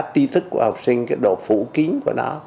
tri thức của học sinh độ phủ kính của nó